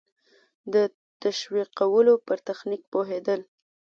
د تشویقولو په تخنیک پوهېدل.